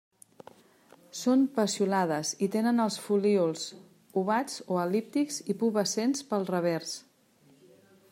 Són peciolades i tenen els folíols ovats o el·líptics i pubescents pel revers.